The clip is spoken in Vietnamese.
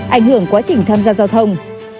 ảnh hưởng quá trình tham gia giao thông